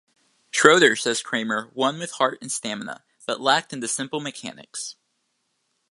Schroeder, says Kramer, won with heart and stamina, but lacked in the simple mechanics.